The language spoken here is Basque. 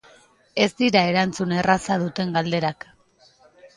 Ez dira erantzun erraza duten galderak.